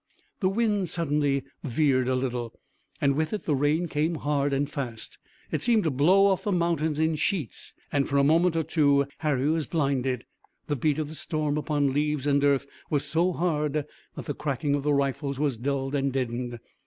The wind suddenly veered a little, and with it the rain came hard and fast. It seemed to blow off the mountains in sheets and for a moment or two Harry was blinded. The beat of the storm upon leaves and earth was so hard that the cracking of the rifles was dulled and deadened.